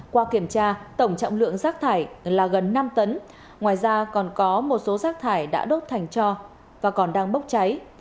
qua kiểm tra tổng trọng lượng rác thải là gần năm tấn ngoài ra còn có một số rác thải đã đốt thành cho và còn đang bốc cháy